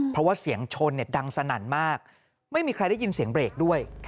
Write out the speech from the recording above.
เพราะว่าเสียงชนเนี่ยดังสนั่นมากไม่มีใครได้ยินเสียงเบรกด้วย